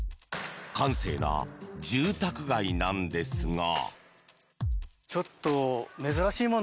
閑静な住宅街なんですが。